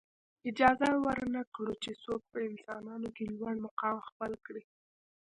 اجازه ورنه کړو چې څوک په انسانانو کې لوړ مقام خپل کړي.